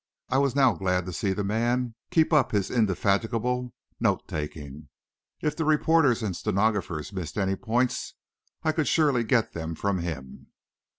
I was now glad to see the man keep up his indefatigable note taking. If the reporters or stenographers missed any points, I could surely get them from him.